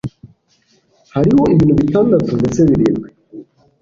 Hariho ibintu bitandatu ndetse birindwi